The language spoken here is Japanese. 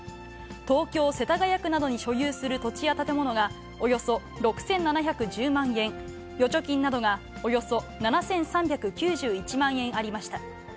東京・世田谷区などに所有する土地や建物が、およそ６７１０万円、預貯金などがおよそ７３９１万円ありました。